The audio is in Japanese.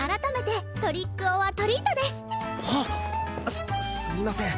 すすみません。